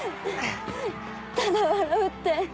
ただ笑うって。